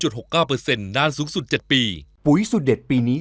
ลูกพี่ลูกพี่ลูกพี่